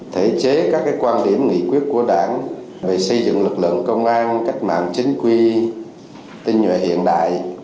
thể chế các quan điểm nghị quyết của đảng về xây dựng lực lượng công an cách mạng chính quy tinh nhuệ hiện đại